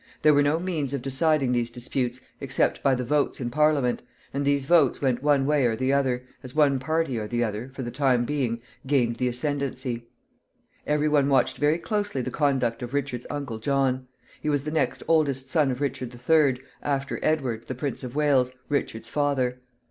There were no means of deciding these disputes except by the votes in Parliament, and these votes went one way and the other, as one party or the other, for the time being, gained the ascendency. Every one watched very closely the conduct of Richard's uncle John. He was the next oldest son of Edward the Third, after Edward, the Prince of Wales, Richard's father.